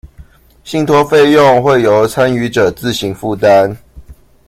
信託費用會由參與者自行負擔